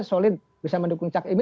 solid bisa mendukung cak imin